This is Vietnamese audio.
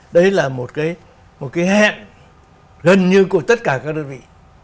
đấy là một cái hẹn gần như của tất cả các đơn vị